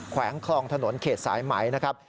วงคลองถนนเขตสายไหมนะครับ